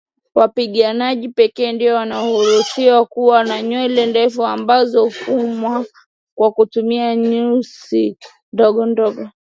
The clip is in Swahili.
Wapiganaji pekee ndio wanaoruhusiwa kuwa na nywele ndefu ambazo hufumwa kwa kutumia nyuzi ndogondogo